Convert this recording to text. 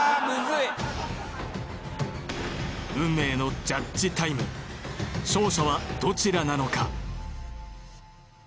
運命のジャッジタイム勝者はどちらなのか？